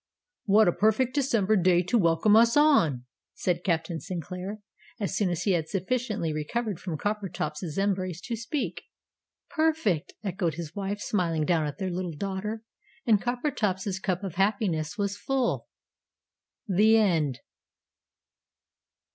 "What a perfect December day to welcome us on!" said Captain Sinclair, as soon as he had sufficiently recovered from Coppertop's embrace to speak. "Perfect!" echoed his wife, smiling down at their little daughter. And Coppertop's cup of happiness was full. THE END.